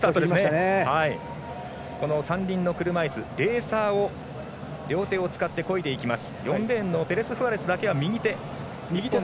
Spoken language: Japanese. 三輪の車いす、レーサーを両手を使ってこいでいきます。